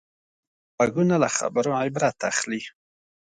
غوږونه له خبرو عبرت اخلي